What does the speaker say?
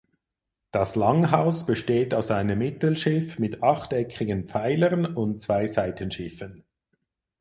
Das Langhaus besteht aus einem Mittelschiff mit achteckigen Pfeilern und zwei Seitenschiffen.